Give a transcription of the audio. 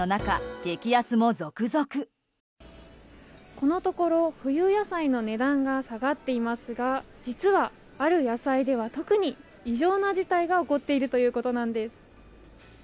このところ冬野菜の値段が下がっていますが実は、ある野菜では特に異常な事態が起こっているということなんです。